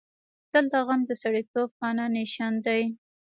دلته غم د سړیتوب خانه نشین دی.